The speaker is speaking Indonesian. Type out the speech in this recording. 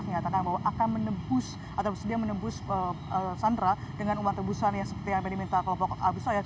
mengatakan bahwa akan menebus atau sedia menebus sandera dengan uang tebusan yang seperti yang diminta kelompok abk